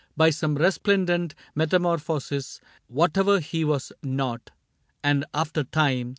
By some resplendent metamorphosis. Whatever he was not. And after time.